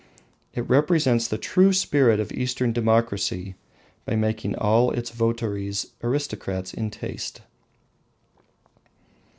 It represents the true spirit of Eastern democracy by making all its votaries aristocrats in taste.